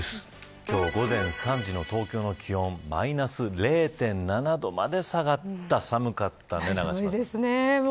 今日の午前３時の東京の気温マイナス０．７度まで下がって、寒かったです。